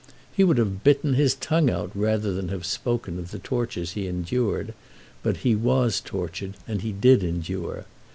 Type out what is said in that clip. He would have bitten his tongue out rather than have spoken of the tortures he endured, but he was tortured and did endure.